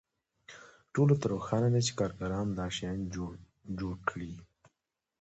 ټولو ته روښانه ده چې کارګرانو دا شیان جوړ کړي